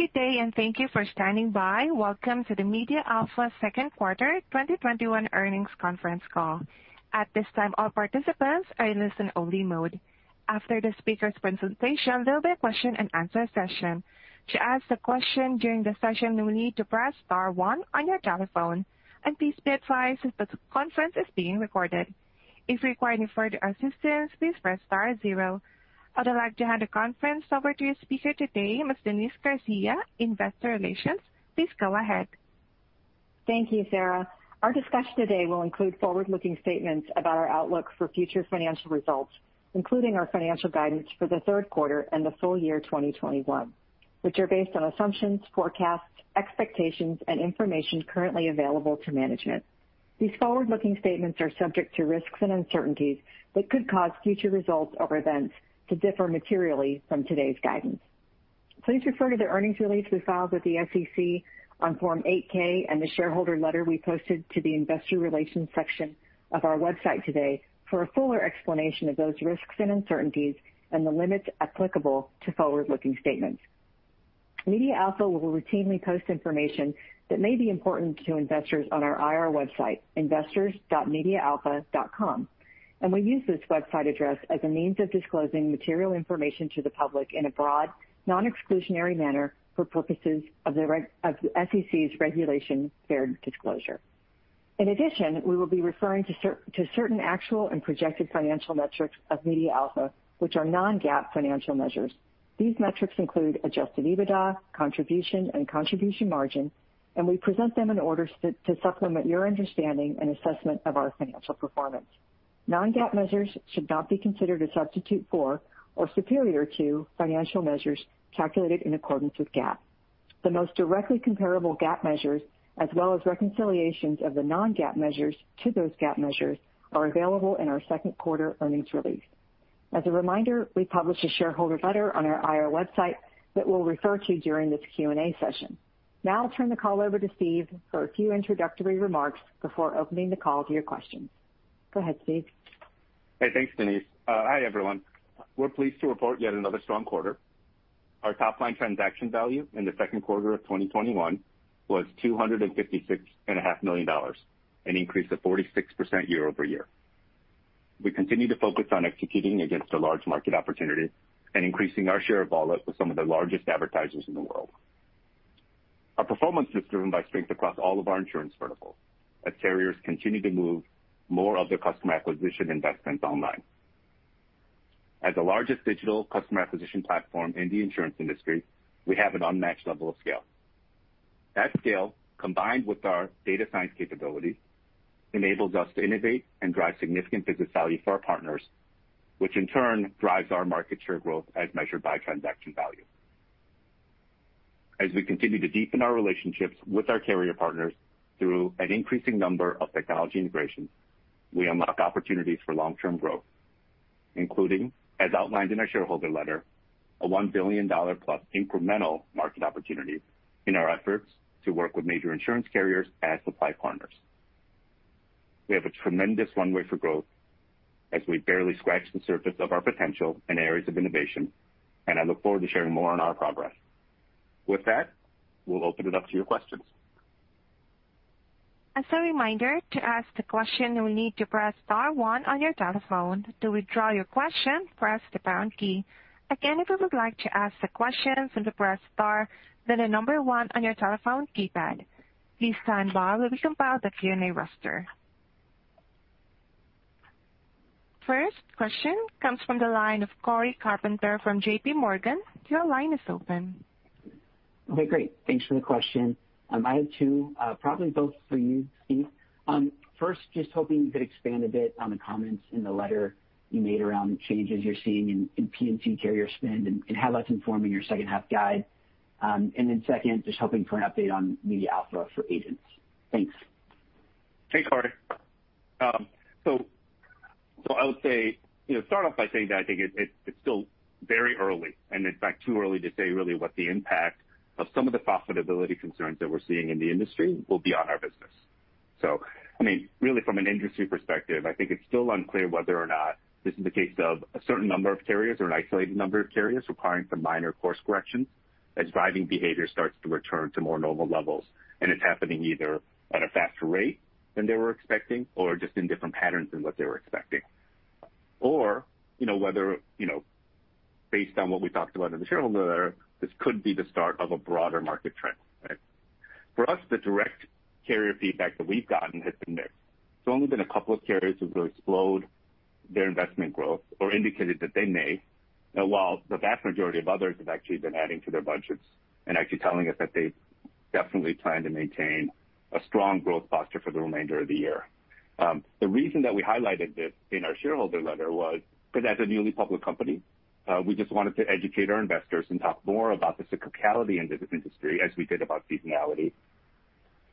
Good day, and thank you for standing by. Welcome to the MediaAlpha Second Quarter 2021 earnings conference call. At this time, all participants are in listen-only mode. After the speaker's presentation, there will be a question-and-answer session. To ask a question during the session, you will need to press star one on your telephone. Please be advised that this conference is being recorded. If you require any further assistance, please press star zero. I would like to hand the conference over to your speaker today, Ms. Denise Garcia, Investor Relations. Please go ahead. Thank you, Sarah. Our discussion today will include forward-looking statements about our outlook for future financial results, including our financial guidance for the third quarter and the full year 2021, which are based on assumptions, forecasts, expectations, and information currently available to management. These forward-looking statements are subject to risks and uncertainties that could cause future results or events to differ materially from today's guidance. Please refer to the earnings release we filed with the SEC on Form 8-K and the shareholder letter we posted to the Investor Relations section of our website today for a fuller explanation of those risks and uncertainties and the limits applicable to forward-looking statements. MediaAlpha will routinely post information that may be important to investors on our IR website, investors.medialpha.com, and we use this website address as a means of disclosing material information to the public in a broad, non-exclusionary manner for purposes of the SEC's regulation fair disclosure. In addition, we will be referring to certain actual and projected financial metrics of MediaAlpha, which are non-GAAP financial measures. These metrics include adjusted EBITDA, contribution, and contribution margin, and we present them in order to supplement your understanding and assessment of our financial performance. Non-GAAP measures should not be considered a substitute for or superior to financial measures calculated in accordance with GAAP. The most directly comparable GAAP measures, as well as reconciliations of the non-GAAP measures to those GAAP measures, are available in our second quarter earnings release. As a reminder, we published a shareholder letter on our IR website that we'll refer to during this Q&A session. Now I'll turn the call over to Steve for a few introductory remarks before opening the call to your questions. Go ahead, Steve. Hey, thanks, Denise. Hi, everyone. We're pleased to report yet another strong quarter. Our top-line transaction value in the second quarter of 2021 was $256.5 million, an increase of 46% year over year. We continue to focus on executing against a large market opportunity and increasing our share of wallet with some of the largest advertisers in the world. Our performance is driven by strength across all of our insurance verticals, as carriers continue to move more of their customer acquisition investments online. As the largest digital customer acquisition platform in the insurance industry, we have an unmatched level of scale. That scale, combined with our data science capabilities, enables us to innovate and drive significant business value for our partners, which in turn drives our market share growth as measured by transaction value. As we continue to deepen our relationships with our carrier partners through an increasing number of technology integrations, we unlock opportunities for long-term growth, including, as outlined in our shareholder letter, a $1 billion-plus incremental market opportunity in our efforts to work with major insurance carriers as supply partners. We have a tremendous runway for growth, as we barely scratch the surface of our potential and areas of innovation, and I look forward to sharing more on our progress. With that, we'll open it up to your questions. As a reminder, to ask a question, you will need to press star one on your telephone. To withdraw your question, press the pound key. Again, if you would like to ask a question, simply press star then the number one on your telephone keypad. Please stand by while we compile the Q&A roster. First question comes from the line of Cory Carpenter from JPMorgan. Your line is open. Okay, great. Thanks for the question. I have two, probably both for you, Steve. First, just hoping you could expand a bit on the comments in the letter you made around changes you're seeing in P&C carrier spend and how that's informing your second-half guide. Then second, just hoping for an update on MediaAlpha for Agents. Thanks. Thanks, Cory. I would say, start off by saying that I think it's still very early, and in fact, too early to say really what the impact of some of the profitability concerns that we're seeing in the industry will be on our business. I mean, really, from an industry perspective, I think it's still unclear whether or not this is the case of a certain number of carriers or an isolated number of carriers requiring some minor course corrections as driving behavior starts to return to more normal levels. It's happening either at a faster rate than they were expecting or just in different patterns than what they were expecting. Whether, based on what we talked about in the shareholder letter, this could be the start of a broader market trend. For us, the direct carrier feedback that we've gotten has been mixed. There's only been a couple of carriers who've really slowed their investment growth or indicated that they may, while the vast majority of others have actually been adding to their budgets and actually telling us that they definitely plan to maintain a strong growth posture for the remainder of the year. The reason that we highlighted this in our shareholder letter was because, as a newly public company, we just wanted to educate our investors and talk more about the cyclicality in this industry, as we did about seasonality,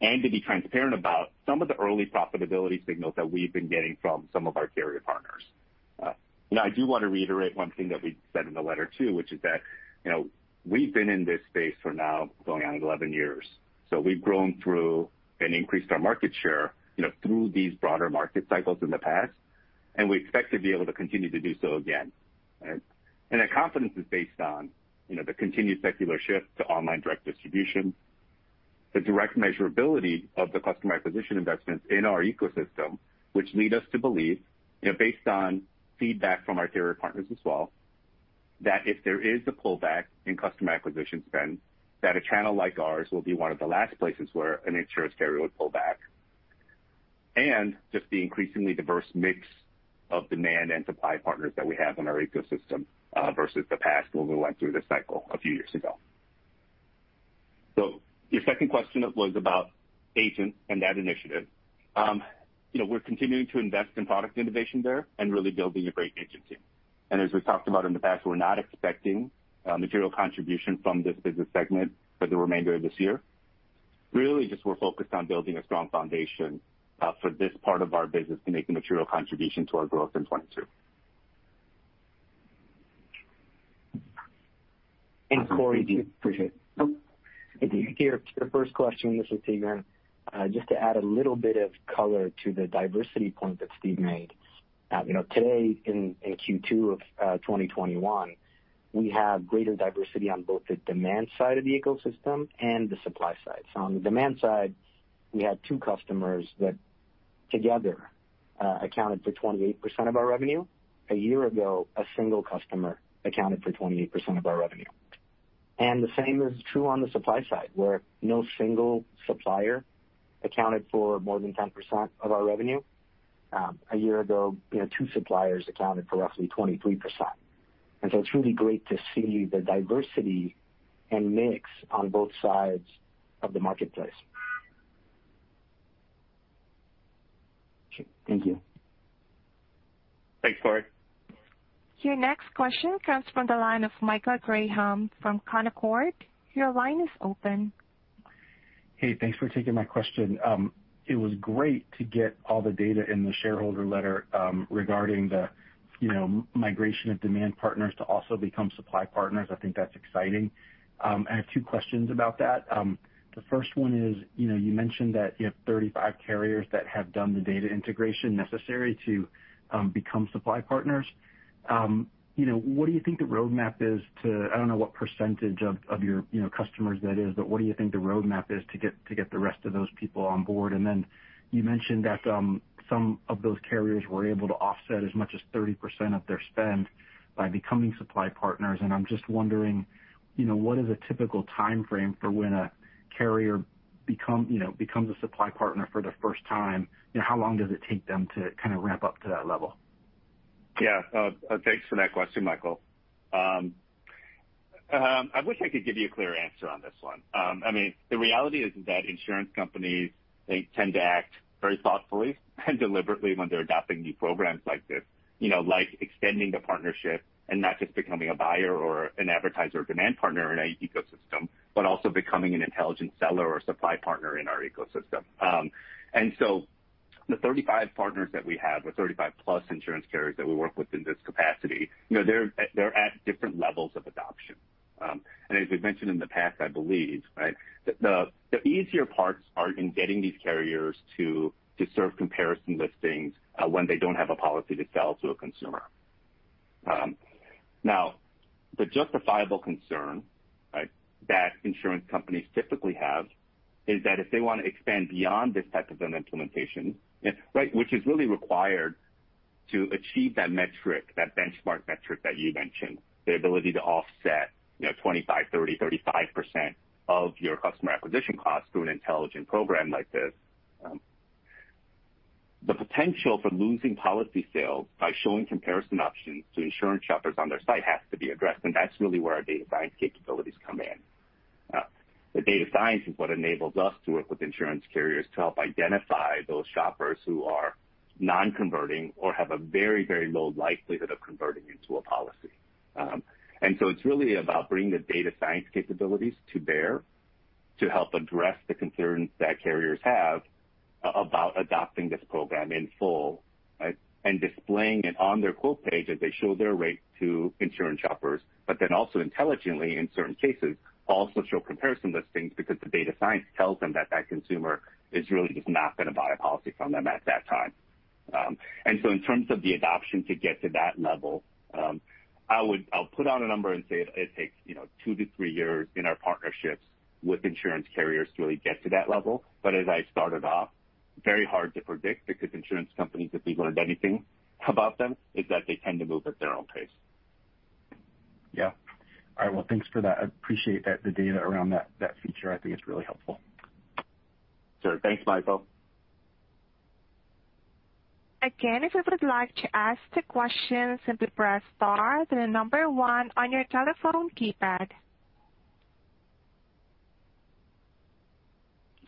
and to be transparent about some of the early profitability signals that we've been getting from some of our carrier partners. I do want to reiterate one thing that we said in the letter too, which is that we've been in this space for now going on 11 years. We have grown through and increased our market share through these broader market cycles in the past, and we expect to be able to continue to do so again. That confidence is based on the continued secular shift to online direct distribution, the direct measurability of the customer acquisition investments in our ecosystem, which lead us to believe, based on feedback from our carrier partners as well, that if there is a pullback in customer acquisition spend, a channel like ours will be one of the last places where an insurance carrier would pull back. Just the increasingly diverse mix of demand and supply partners that we have in our ecosystem versus the past when we went through this cycle a few years ago. Your second question was about agents and that initiative. We're continuing to invest in product innovation there and really building a great agency. As we've talked about in the past, we're not expecting material contribution from this business segment for the remainder of this year. Really, just we're focused on building a strong foundation for this part of our business to make a material contribution to our growth in 2022. Thanks, Cory. Appreciate it. Hey for the first question, this is Patrick. Just to add a little bit of color to the diversity point that Steve made. Today, in Q2 of 2021, we have greater diversity on both the demand side of the ecosystem and the supply side. On the demand side, we had two customers that together accounted for 28% of our revenue. A year ago, a single customer accounted for 28% of our revenue. The same is true on the supply side, where no single supplier accounted for more than 10% of our revenue. A year ago, two suppliers accounted for roughly 23%. It is really great to see the diversity and mix on both sides of the marketplace. Thank you. Thanks, Cory. Your next question comes from the line of Michael Graham from Canaccord. Your line is open. Hey, thanks for taking my question. It was great to get all the data in the shareholder letter regarding the migration of demand partners to also become supply partners. I think that's exciting. I have two questions about that. The first one is, you mentioned that you have 35 carriers that have done the data integration necessary to become supply partners. What do you think the roadmap is to—I don't know what percentage of your customers that is, but what do you think the roadmap is to get the rest of those people on board? You mentioned that some of those carriers were able to offset as much as 30% of their spend by becoming supply partners. I'm just wondering, what is a typical timeframe for when a carrier becomes a supply partner for the first time? How long does it take them to kind of ramp up to that level? Yeah, thanks for that question, Michael. I wish I could give you a clear answer on this one. I mean, the reality is that insurance companies tend to act very thoughtfully and deliberately when they're adopting new programs like this, like extending the partnership and not just becoming a buyer or an advertiser or demand partner in an ecosystem, but also becoming an intelligent seller or supply partner in our ecosystem. The 35 partners that we have, or 35-plus insurance carriers that we work with in this capacity, they're at different levels of adoption. As we've mentioned in the past, I believe, the easier parts are in getting these carriers to serve comparison listings when they don't have a policy to sell to a consumer. Now, the justifiable concern that insurance companies typically have is that if they want to expand beyond this type of an implementation, which is really required to achieve that metric, that benchmark metric that you mentioned, the ability to offset 25%, 30%, 35% of your customer acquisition costs through an intelligent program like this, the potential for losing policy sales by showing comparison options to insurance shoppers on their site has to be addressed. That is really where our data science capabilities come in. The data science is what enables us to work with insurance carriers to help identify those shoppers who are non-converting or have a very, very low likelihood of converting into a policy. It's really about bringing the data science capabilities to bear to help address the concerns that carriers have about adopting this program in full and displaying it on their quote page as they show their rate to insurance shoppers, but then also intelligently, in certain cases, also show comparison listings because the data science tells them that that consumer is really just not going to buy a policy from them at that time. In terms of the adoption to get to that level, I'll put on a number and say it takes two to three years in our partnerships with insurance carriers to really get to that level. As I started off, very hard to predict because insurance companies, if we've learned anything about them, is that they tend to move at their own pace. Yeah. All right. Thanks for that. I appreciate the data around that feature. I think it's really helpful. Sure. Thanks, Michael. Again, if you would like to ask a question, simply press star then the number one on your telephone keypad.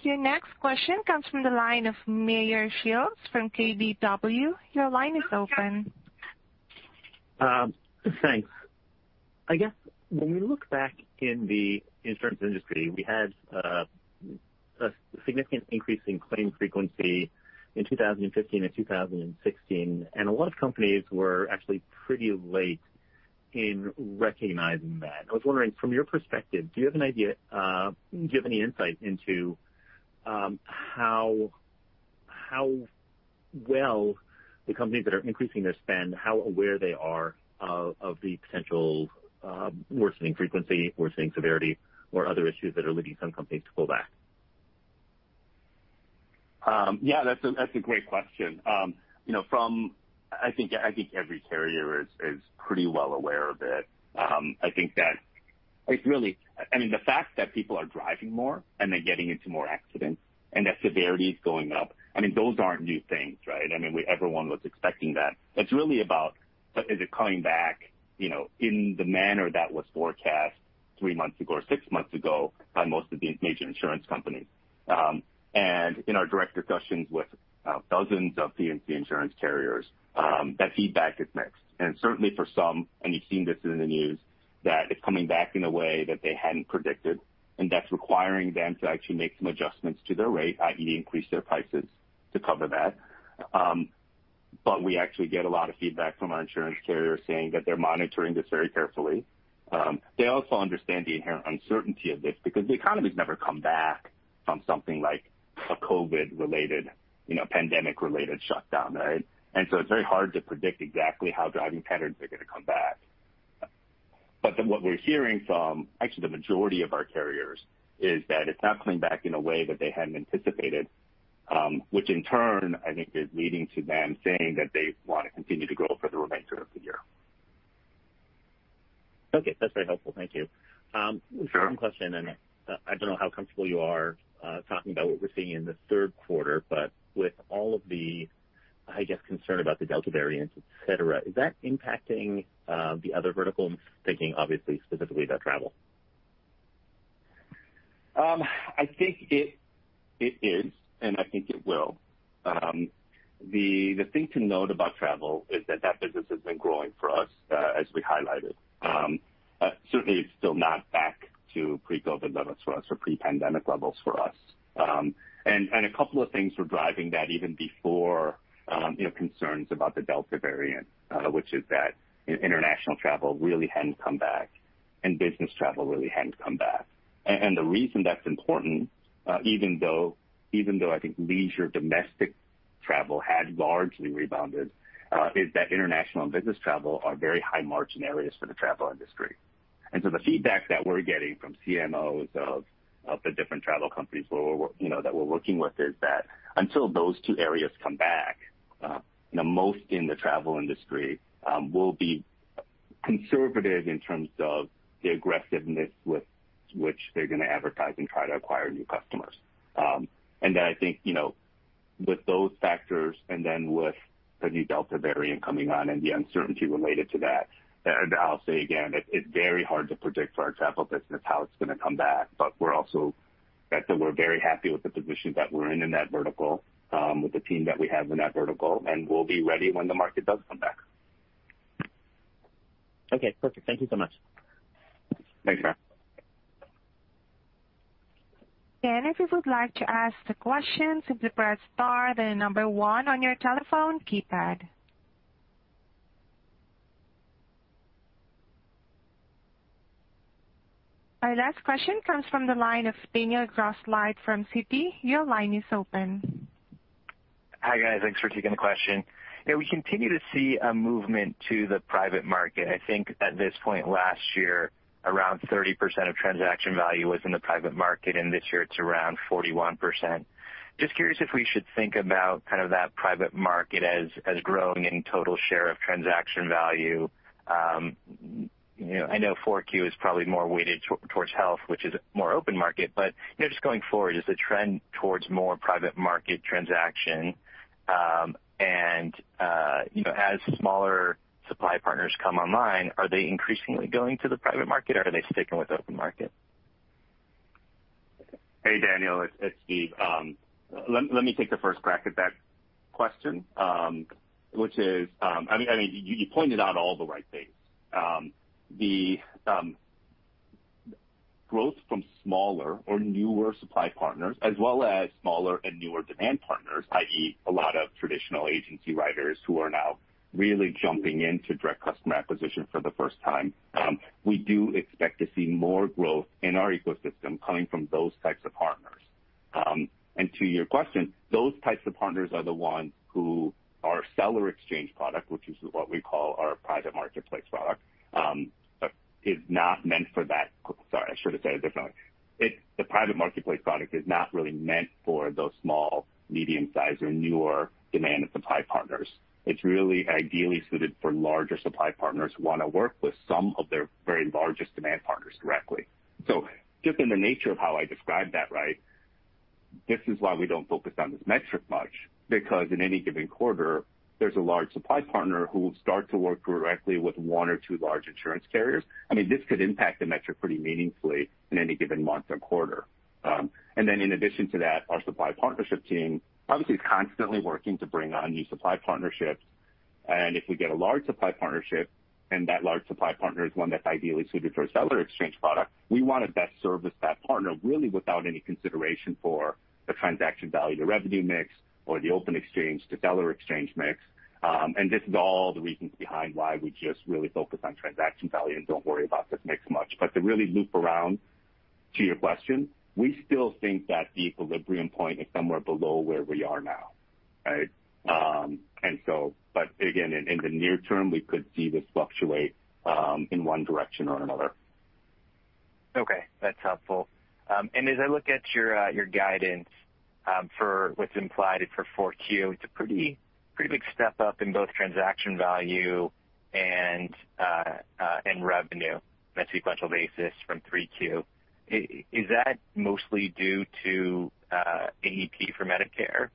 Your next question comes from the line of Meyer Shields from KBW. Your line is open. Thanks. I guess when we look back in the insurance industry, we had a significant increase in claim frequency in 2015 and 2016, and a lot of companies were actually pretty late in recognizing that. I was wondering, from your perspective, do you have an idea? Do you have any insight into how well the companies that are increasing their spend, how aware they are of the potential worsening frequency, worsening severity, or other issues that are leading some companies to pull back? Yeah, that's a great question. I think every carrier is pretty well aware of it. I think that it's really, I mean, the fact that people are driving more and they're getting into more accidents and that severity is going up, I mean, those aren't new things, right? I mean, everyone was expecting that. It's really about, is it coming back in the manner that was forecast three months ago or six months ago by most of these major insurance companies? In our direct discussions with dozens of P&C insurance carriers, that feedback is mixed. Certainly for some, and you've seen this in the news, that it's coming back in a way that they hadn't predicted, and that's requiring them to actually make some adjustments to their rate, i.e., increase their prices to cover that. We actually get a lot of feedback from our insurance carriers saying that they're monitoring this very carefully. They also understand the inherent uncertainty of this because the economy's never come back from something like a COVID-related, pandemic-related shutdown, right? It is very hard to predict exactly how driving patterns are going to come back. What we're hearing from actually the majority of our carriers is that it's not coming back in a way that they hadn't anticipated, which in turn, I think, is leading to them saying that they want to continue to grow for the remainder of the year. Okay. That's very helpful. Thank you. One question, and I don't know how comfortable you are talking about what we're seeing in the third quarter, but with all of the, I guess, concern about the Delta variant, etc., is that impacting the other vertical? Thinking, obviously, specifically about travel. I think it is, and I think it will. The thing to note about travel is that that business has been growing for us, as we highlighted. Certainly, it's still not back to pre-COVID levels for us or pre-pandemic levels for us. A couple of things were driving that even before concerns about the Delta variant, which is that international travel really hadn't come back and business travel really hadn't come back. The reason that's important, even though I think leisure domestic travel had largely rebounded, is that international and business travel are very high-margin areas for the travel industry. The feedback that we're getting from CMOs of the different travel companies that we're working with is that until those two areas come back, most in the travel industry will be conservative in terms of the aggressiveness with which they're going to advertise and try to acquire new customers. I think with those factors and then with the new Delta variant coming on and the uncertainty related to that, I'll say again, it's very hard to predict for our travel business how it's going to come back. We're also very happy with the position that we're in in that vertical, with the team that we have in that vertical, and we'll be ready when the market does come back. Okay. Perfect. Thank you so much. Thanks, Meyer. If you would like to ask a question, simply press star then the number one on your telephone keypad. Our last question comes from the line of Daniel Grosslight from Citi. Your line is open. Hi guys. Thanks for taking the question. We continue to see a movement to the private market. I think at this point last year, around 30% of transaction value was in the private market, and this year it's around 41%. Just curious if we should think about kind of that private market as growing in total share of transaction value. I know 4Q is probably more weighted towards health, which is more open market, but just going forward, is the trend towards more private market transaction? As smaller supply partners come online, are they increasingly going to the private market, or are they sticking with open market? Hey, Daniel, it's Steve. Let me take the first crack at that question, which is, I mean, you pointed out all the right things. The growth from smaller or newer supply partners, as well as smaller and newer demand partners, i.e., a lot of traditional agency writers who are now really jumping into direct customer acquisition for the first time, we do expect to see more growth in our ecosystem coming from those types of partners. To your question, those types of partners are the ones who our Seller Exchange product, which is what we call our private marketplace product, is not meant for. Sorry, I should have said it differently. The private marketplace product is not really meant for those small, medium-sized, or newer demand and supply partners. It's really ideally suited for larger supply partners who want to work with some of their very largest demand partners directly. Just in the nature of how I described that, right, this is why we don't focus on this metric much, because in any given quarter, there's a large supply partner who will start to work directly with one or two large insurance carriers. I mean, this could impact the metric pretty meaningfully in any given month or quarter. In addition to that, our supply partnership team obviously is constantly working to bring on new supply partnerships. If we get a large supply partnership and that large supply partner is one that's ideally suited for a Seller Exchange product, we want to best service that partner really without any consideration for the transaction value, the revenue mix, or the open exchange, the Seller Exchange mix. This is all the reasons behind why we just really focus on transaction value and do not worry about the mix much. To really loop around to your question, we still think that the equilibrium point is somewhere below where we are now, right? Again, in the near term, we could see this fluctuate in one direction or another. Okay. That's helpful. As I look at your guidance for what's implied for 4Q, it's a pretty big step up in both transaction value and revenue on a sequential basis from 3Q. Is that mostly due to AEP for Medicare,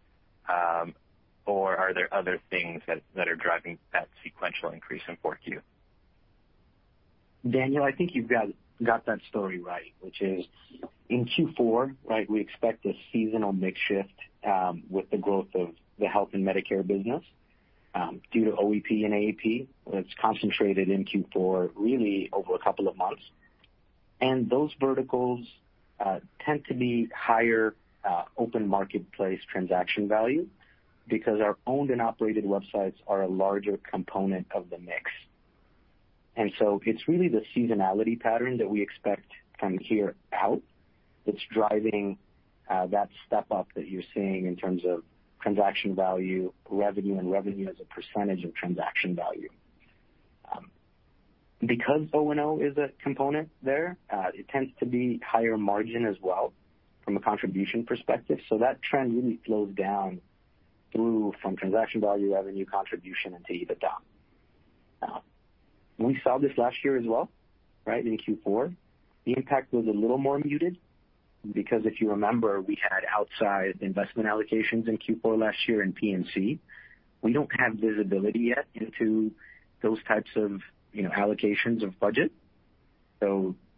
or are there other things that are driving that sequential increase in 4Q? Daniel, I think you've got that story right, which is in Q4, right, we expect a seasonal mix shift with the growth of the health and Medicare business due to OEP and AEP. It's concentrated in Q4 really over a couple of months. Those verticals tend to be higher open marketplace transaction value because our owned and operated websites are a larger component of the mix. It's really the seasonality pattern that we expect from here out that's driving that step up that you're seeing in terms of transaction value, revenue, and revenue as a percentage of transaction value. Because O&O is a component there, it tends to be higher margin as well from a contribution perspective. That trend really flows down through from transaction value, revenue, contribution, and to EBITDA. We saw this last year as well, right, in Q4. The impact was a little more muted because if you remember, we had outside investment allocations in Q4 last year in P&C. We do not have visibility yet into those types of allocations of budget.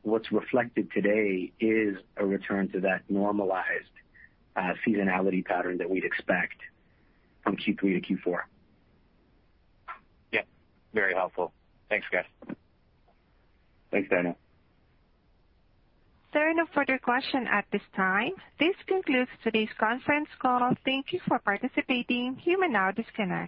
What is reflected today is a return to that normalized seasonality pattern that we would expect from Q3 to Q4. Yeah. Very helpful. Thanks, guys. Thanks, Daniel. There are no further questions at this time. This concludes today's conference call. Thank you for participating. You may now disconnect.